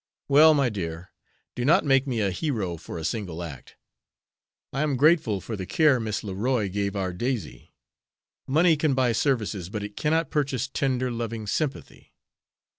"Well, my dear, do not make me a hero for a single act. I am grateful for the care Miss Leroy gave our Daisy. Money can buy services, but it cannot purchase tender, loving sympathy.